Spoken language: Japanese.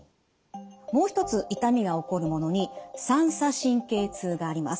もう一つ痛みが起こるものに三叉神経痛があります。